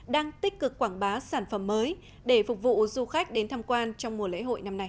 đang tích cực quảng bá sản phẩm mới để phục vụ du khách đến tham quan trong mùa lễ hội năm nay